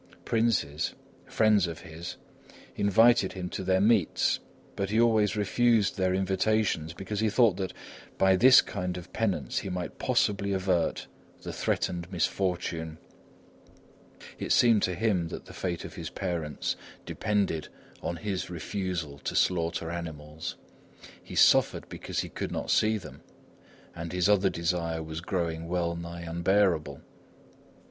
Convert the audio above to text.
Princes, friends of his, invited him to their meets, but he always refused their invitations, because he thought that by this kind of penance he might possibly avert the threatened misfortune; it seemed to him that the fate of his parents depended on his refusal to slaughter animals. He suffered because he could not see them, and his other desire was growing well nigh unbearable.